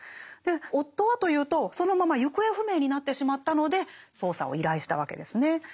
夫はというとそのまま行方不明になってしまったので捜査を依頼したわけですね。